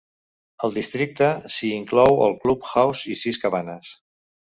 Al districte s"hi inclou el Club House i sis cabanes.